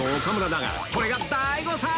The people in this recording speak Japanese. これが大誤算‼